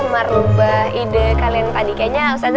memerubah ide ustazza